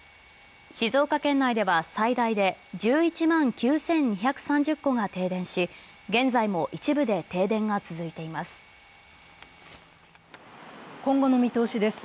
静岡県内では最大で１１万９２３０戸が停電し現在も一部で停電が続いています。